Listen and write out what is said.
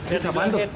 hits apaan tuh